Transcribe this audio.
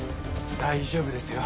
大丈夫ですよ。